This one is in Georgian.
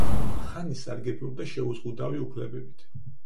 ხანი სარგებლობდა შეუზღუდავი უფლებებით.